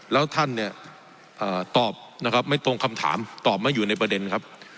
แล้วท่านเนี่ยตอบนะครับไม่ตรงคำถามตอบไม่อยู่ในประเด็นครับ